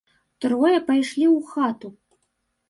Трое пайшлі ў хату.